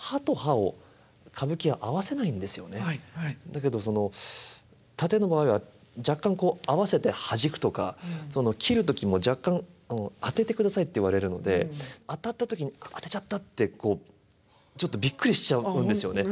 だけどその殺陣の場合は若干こう合わせてはじくとか斬る時も若干「当ててください」って言われるので当たった時に「当てちゃった」ってこうちょっとびっくりしちゃうんですよね。